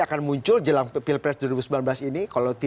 akan muncul jelang pilpres dua ribu sembilan belas ini